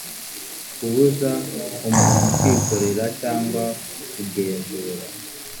kubuza umuntu kwikorera cyangwa kugenzura